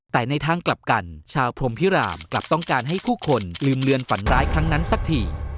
แต่ในทางกลับกันชาวพรมพิรามกลับต้องการให้ผู้คนลืมเลือนฝันร้ายครั้งนั้นสักที